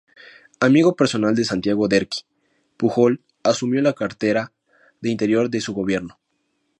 Amigo personal de Santiago Derqui, Pujol asumió la cartera de Interior de su gobierno.